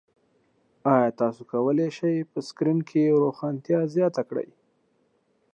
ایا تاسو کولی شئ په سکرین کې روښانتیا زیاته کړئ؟